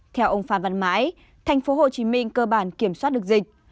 theo ông phan văn mãi thành phố hồ chí minh cơ bản kiểm soát được dịch